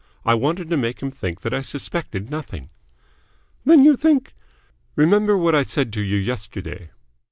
I wanted to make him think that I suspected nothing." "Then you think ?" "Remember what I said to you yesterday."